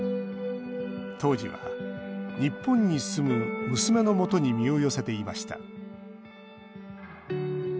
当時は日本に住む娘の元に身を寄せていました。